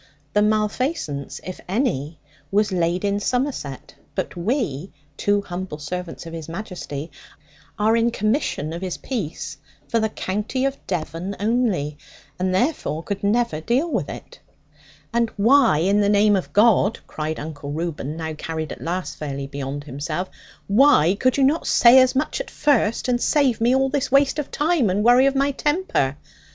The mal feasance (if any) was laid in Somerset; but we, two humble servants of His Majesty, are in commission of his peace for the county of Devon only, and therefore could never deal with it.' 'And why, in the name of God,' cried Uncle Reuben now carried at last fairly beyond himself, 'why could you not say as much at first, and save me all this waste of time and worry of my temper?